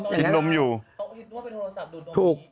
เขาคิดว่าเป็นโทรศัพท์ดูดนมอยู่